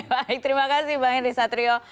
baik terima kasih bang henry satrio